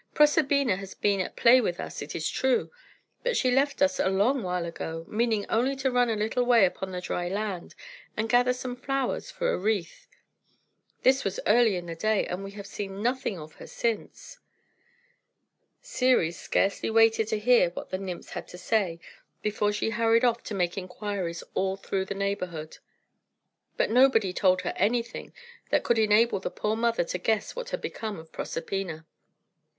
Proserpina has been at play with us, it is true; but she left us a long while ago, meaning only to run a little way upon the dry land and gather some flowers for a wreath. This was early in the day, and we have seen nothing of her since." Ceres scarcely waited to hear what the nymphs had to say before she hurried off to make inquiries all through the neighbourhood. But nobody told her anything that could enable the poor mother to guess what had become of Proserpina.